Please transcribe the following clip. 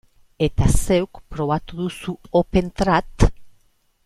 Eta zeuk, probatu duzu OpenTrad?